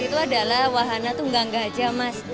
itu adalah wahana tunggang gajah mas